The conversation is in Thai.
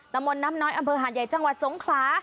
ตะมนน้ำน้อยอำเภอหาญ่ายจังหวัดสงขลา